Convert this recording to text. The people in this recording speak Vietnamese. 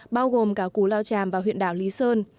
bao gồm cả cú lao tràm và huyện đảo lý sơn